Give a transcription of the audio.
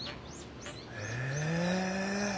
へえ。